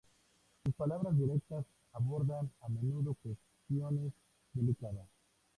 Sus palabras directas abordan a menudo cuestiones delicadas.